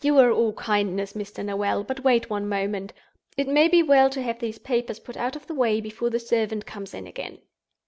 "You are all kindness, Mr. Noel; but wait one moment. It may be well to have these papers put out of the way before the servant comes in again.